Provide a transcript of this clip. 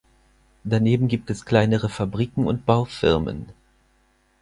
Daneben gibt es kleinere Fabriken und Baufirmen.